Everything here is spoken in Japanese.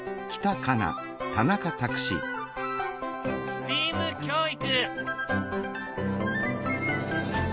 ＳＴＥＡＭ教育。